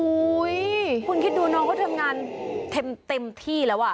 คือคุณคิดดูน้องเขาเติมงานเต็มเต็มที่แล้วอ่ะค่ะ